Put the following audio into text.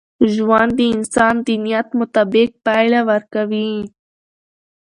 ژوند د انسان د نیت مطابق پایله ورکوي.